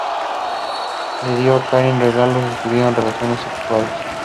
Le dio a Karin regalos y tuvieron relaciones sexuales.